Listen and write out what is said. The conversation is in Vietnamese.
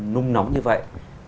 nung nóng như vậy